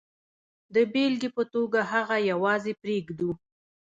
د بېلګې په توګه هغه یوازې پرېږدو.